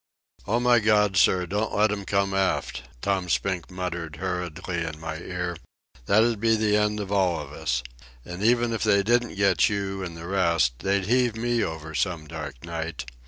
"Oh, my God, sir, don't let 'm come aft." Tom Spink muttered hurriedly in my ear. "That'd be the end of all of us. And even if they didn't get you an' the rest, they'd heave me over some dark night.